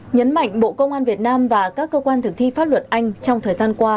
nhấn mạnh bộ công an việt nam và các cơ quan thực thi pháp luật anh trong thời gian qua